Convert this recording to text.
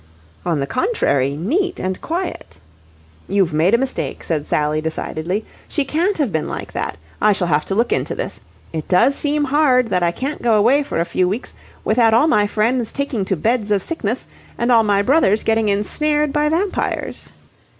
"On the contrary, neat and quiet." "You've made a mistake," said Sally decidedly. "She can't have been like that. I shall have to look into this. It does seem hard that I can't go away for a few weeks without all my friends taking to beds of sickness and all my brothers getting ensnared by vampires."